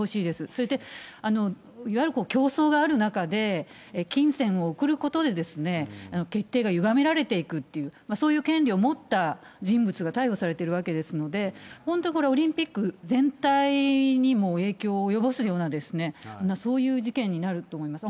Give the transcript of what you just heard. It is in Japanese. それで、いわゆる競争がある中で、金銭を贈ることで、決定がゆがめられていくという、そういう権利を持った人物が逮捕されているわけですので、本当、これオリンピック全体にも影響を及ぼすような、そういう事件になると思います。